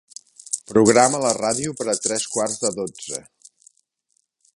Programa la ràdio per a tres quarts de dotze.